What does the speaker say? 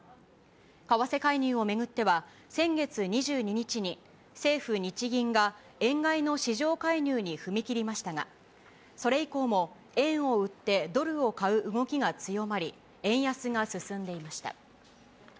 為替介入を巡っては、先月２２日に政府・日銀が円買いの市場介入に踏み切りましたが、それ以降も円を売ってドルを買う動きが強まり、円安が進んでいました。